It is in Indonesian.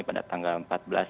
pada tanggal empat belas